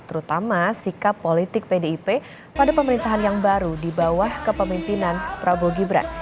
terutama sikap politik pdip pada pemerintahan yang baru di bawah kepemimpinan prabowo gibran